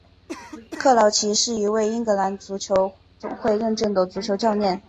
克劳奇是一位英格兰足球总会认证的足球教练。